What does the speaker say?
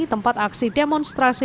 tempat aksi demonstrasi